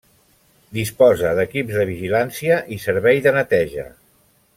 Disposa d'equips de vigilància i servei de neteja.